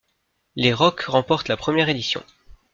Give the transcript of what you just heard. Les Rock remportent la première édition.